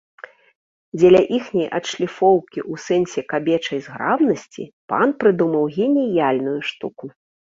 Дзеля іхняй адшліфоўкі ў сэнсе кабечай зграбнасці пан прыдумаў геніяльную штуку.